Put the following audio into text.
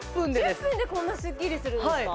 １０分でこんなスッキリするんですか？